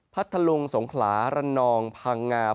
พัทธลุงสงขลาระนองพังงาพูเก็ตและจังหวัดรับบี